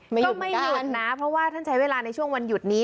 ก็ไม่เตือนนะเพราะว่าท่านใช้เวลาในช่วงวันหยุดนี้